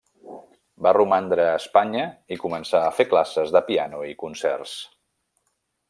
Va romandre a Espanya i començar a fer classes de piano i concerts.